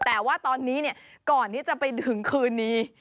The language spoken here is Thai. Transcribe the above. แต่ว่าตอนนี้ก่อนที่จะไปถึงคืนนี้